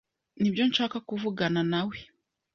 Nibyo nshaka kuvugana nawe.